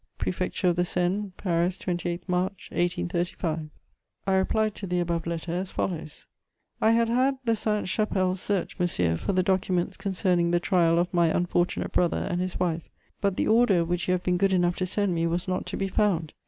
"Prefecture of the Seine, "Paris, 28 March 1835." I replied to the above letter as follows: "I had had the Sainte Chapelle searched, monsieur, for the documents concerning the trial of my unfortunate brother and his wife, but the 'order' which you have been good enough to send me was not to be found.